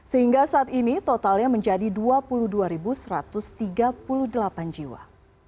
sehingga saat ini totalnya menjadi dua puluh dua satu ratus tiga puluh delapan jiwa